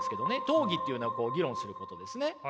討議っていうのは議論することですね。